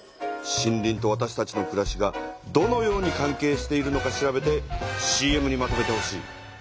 森林とわたしたちのくらしがどのように関係しているのか調べてＣＭにまとめてほしい。